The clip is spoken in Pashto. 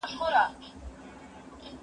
هيڅوک نسي کولای په بل چا دين تحميل کړي.